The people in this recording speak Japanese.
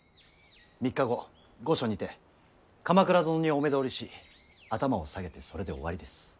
３日後御所にて鎌倉殿にお目通りし頭を下げてそれで終わりです。